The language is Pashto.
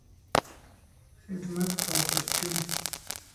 خدمت او پرچون